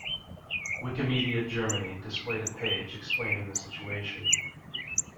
Wikimedia Germany displayed a page explaining the situation.